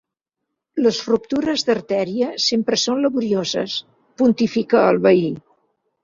Les ruptures d'artèria sempre són laborioses —pontifica el veí.